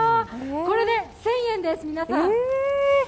これで１０００円です、皆さん。